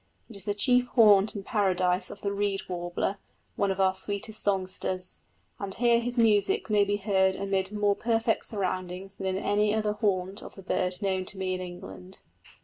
It is the chief haunt and paradise of the reed warbler, one of our sweetest songsters, and here his music may be heard amid more perfect surroundings than in any other haunt of the bird known to me in England.